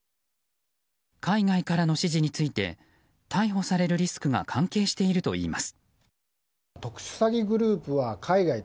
海外からの指示について逮捕されるリスクが関係しているといいます。